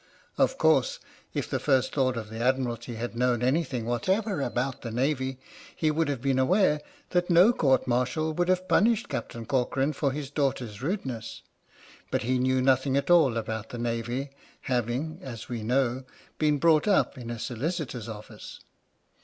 Of course, if the First Lord of the Admiralty had known anything whatever about the Navy, he would have been aware that no Court Martial would have punished Captain Corcoran for his daughter's rudeness; but he knew nothing at all about the Navy, having, as we know, been brought up in a solicitor's office.